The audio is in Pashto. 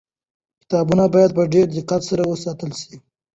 کتابونه باید په ډېر دقت سره وساتل سي.